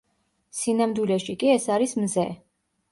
სინამდვილეში კი ეს არის მზე.